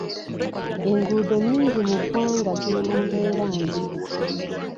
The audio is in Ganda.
Enguudo nnyingi mu ggwanga ziri mu mbeera mbi.